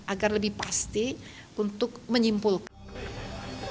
agar lebih pasti untuk menyimpulkan